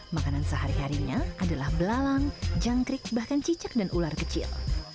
makanan sehari harinya adalah belalang jangkrik bahkan cicak dan ular kecil